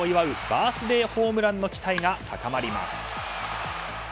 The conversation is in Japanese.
バースデーホームランの期待が高まります。